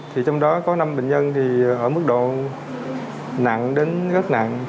thì trong đó có năm bệnh nhân thì ở mức độ nặng đến rất nặng